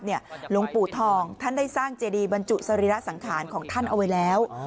หลวงปู่ทองท่านได้สร้างเจดีบรรจุสรีระสังขารของท่านเอาไว้แล้ว